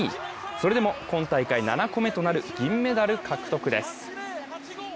それでも今大会７個目となる銀メダル獲得です。